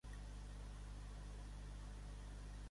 Patró dels ormejos que associaríeu fonèticament a D'Artagnan.